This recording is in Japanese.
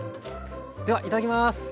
ではいただきます。